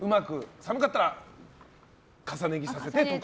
寒かったら重ね着させてとか。